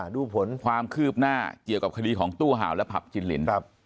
ดูผลความคืบหน้าเกี่ยวกับคดีของตู้ห่าวและผับจินลิน